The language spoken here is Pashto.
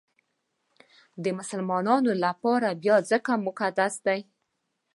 د مسلمانانو لپاره بیا ځکه مقدس دی.